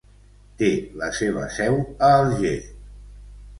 Té la seva seu a Alger.